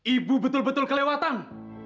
ibu betul betul kelewatang